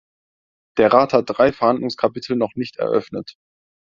Der Rat hat drei Verhandlungskapitel noch nicht eröffnet.